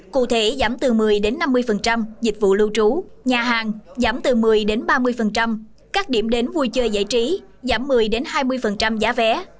cụ thể giảm từ một mươi năm mươi dịch vụ lưu trú nhà hàng giảm từ một mươi ba mươi các điểm đến vui chơi giải trí giảm một mươi hai mươi giá vé